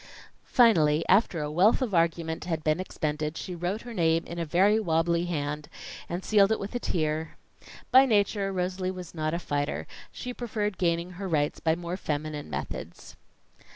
Finally, after a wealth of argument had been expended, she wrote her name in a very wobbly hand, and sealed it with a tear. By nature, Rosalie was not a fighter; she preferred gaining her rights by more feminine methods.